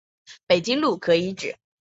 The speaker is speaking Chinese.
北京路可以指